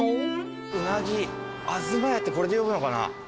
うなぎ阿づ満やってこれで読むのかな。